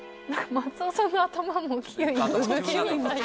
松尾さんの頭も。